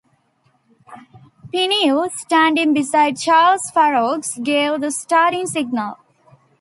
Pineau, standing beside Charles Faroux, gave the starting signal.